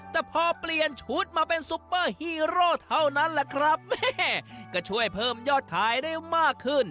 แต่พอเปลี่ยนชุดมาเป็นซุปเปอร์ฮีโร่เท่านั้นแหละครับแม่ก็ช่วยเพิ่มยอดขายได้มากขึ้น